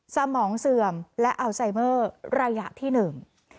สมองเสื่อมและอัลไซเมอร์ระยะที่หนึ่ง